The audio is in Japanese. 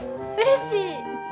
うれしい。